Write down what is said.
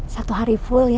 satu hari full ya